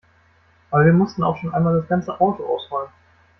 Aber wir mussten auch schon einmal das ganze Auto ausräumen.